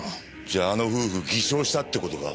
じゃああの夫婦偽証したって事か？